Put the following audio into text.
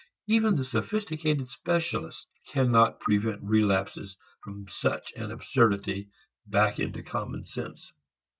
Even the sophisticated specialist cannot prevent relapses from such an absurdity back into common sense.